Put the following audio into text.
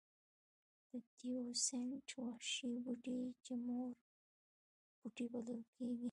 د تیوسینټ وحشي بوټی چې مور بوټی بلل کېږي.